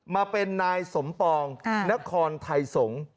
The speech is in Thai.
มาเป็นนายสมปองนครไทยสงศ์